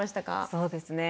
そうですね。